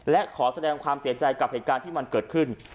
และขอแสดงความเสียใจกับเหตุการณ์ที่มันเกิดขึ้น